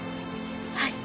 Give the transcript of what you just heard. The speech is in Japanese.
はい。